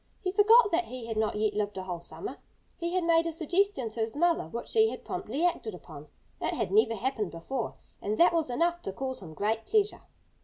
He forgot that he had not yet lived a whole summer. He had made a suggestion to his mother which she had promptly acted upon. It had never happened before. And that was enough to cause him great pleasure.